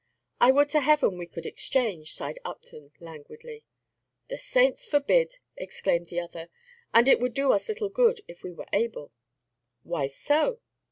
"I would to Heaven we could exchange," sighed Upton, languidly. "The saints forbid!" exclaimed the other; "and it would do us little good if we were able." "Why so?"